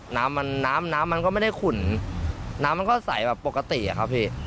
น้ำมันก็ไม่ได้ขุนน้ำมันก็ใส่แบบปกติครับพี่